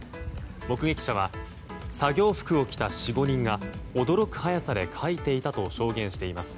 目撃者は作業服を着た４５人が驚く速さで描いていたと証言しています。